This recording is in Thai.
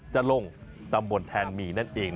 จะลงตำบลแทนหมีนั่นเอง